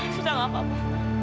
evita enggak apa apa